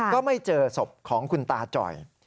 ก็ไม่เจอศพของคุณตาจ่อย